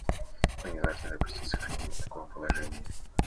Мы не должны допустить сохранения такого положения.